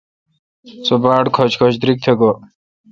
سو باڑکھچ کھچ دریگ تہ گوی۔